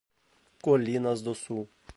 Colinas do Sul